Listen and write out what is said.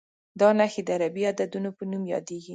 دا نښې د عربي عددونو په نوم یادېږي.